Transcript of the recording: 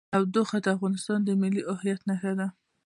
تودوخه د افغانستان د ملي هویت نښه ده.